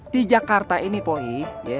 di jakarta ini poi